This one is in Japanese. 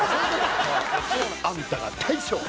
あんたが大将！